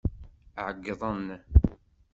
Ɛeyḍen.